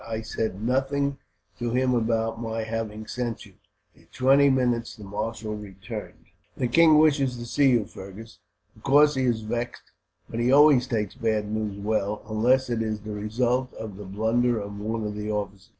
I said nothing to him about my having sent you." In twenty minutes the marshal returned. "The king wishes to see you, Fergus. Of course he is vexed, but he always takes bad news well, unless it is the result of the blunder of one of the officers.